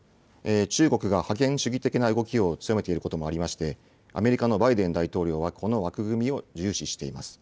中国が覇権主義的な動きを強めていることもありまして、アメリカのバイデン大統領はこの枠組みを重視しています。